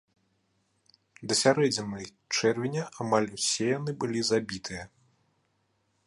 Да сярэдзіны чэрвеня амаль усе яны былі забітыя.